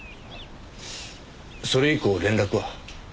それ以降連絡は？